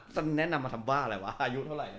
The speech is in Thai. ฉันแนะนำมาทำบ้าอะไรวะอายุเท่าไหร่